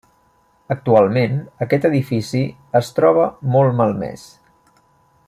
Actualment, aquest edifici es troba molt malmès.